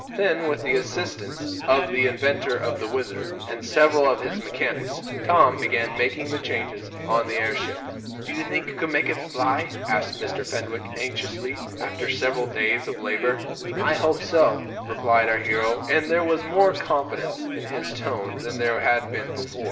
Then, with the assistance of the inventor of the WHIZZER, and several of his mechanics, Tom began making the changes on the airship. "Do you think you can make it fly?" asked Mr. Fenwick, anxiously, after several days of labor. "I hope so," replied our hero, and there was more confidence in his tone than there had been before.